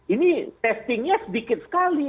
ini testingnya sedikit sekali